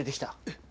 えっ？